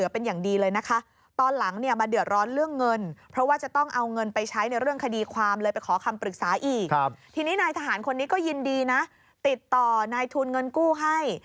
ต่อนายทุนเงินกู้ให้